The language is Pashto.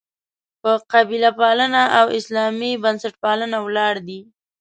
په «قبیله پالنه» او «اسلامي بنسټپالنه» ولاړ دي.